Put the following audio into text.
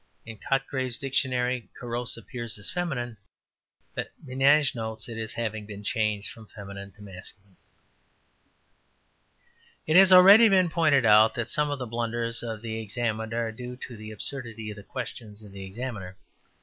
In Cotgrave's Dictionary carosse appears as feminine, but Mnage notes it as having been changed from feminine to masculine. It has already been pointed out that some of the blunders of the examined are due to the absurdity of the questions of the examiner.